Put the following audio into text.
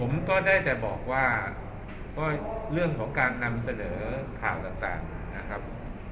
ผมก็ได้แต่บอกว่าก็เรื่องของการนำเสนอข่าวต่างนะครับ